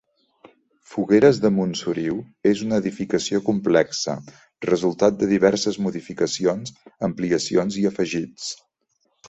Fogueres de Montsoriu és una edificació complexa, resultat de diverses modificacions, ampliacions i afegits.